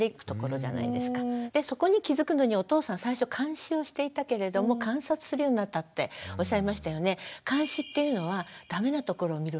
そこに気付くのにお父さん最初監視をしていたけれども観察するようになったっておっしゃいましたよね。